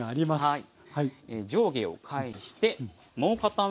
はい。